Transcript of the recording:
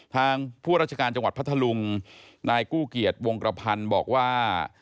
ทางผู้ราชการจังหวัดพัทธลุงนายกู้เกียจวงกระพันธ์บอกว่า